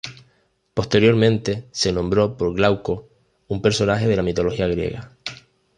Posteriormente se nombró por Glauco, un personaje de la mitología griega.